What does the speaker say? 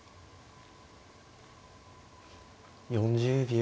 ４０秒。